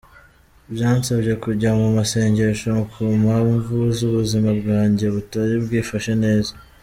Byansabye kujya mu masengesho ku mpamvu z’ubuzima bwanjye butari bwifashe neza.